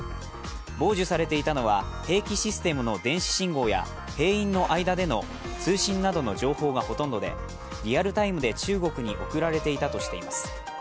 傍受されていたのは兵器システムの電子信号や兵員の間での通信などの情報がほとんどでリアルタイムで中国に送られていたとしています。